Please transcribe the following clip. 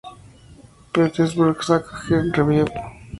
Petersburg ska-jazz review.